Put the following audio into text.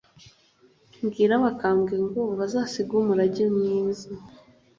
Mbwire abakambwe ngo bazasige umurage mwiza!